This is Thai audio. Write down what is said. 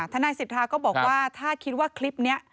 ทนายสิทธาก็บอกว่าถ้าคิดว่าคลิปนี้